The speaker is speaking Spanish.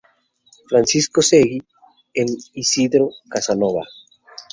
Francisco Seguí, en Isidro Casanova.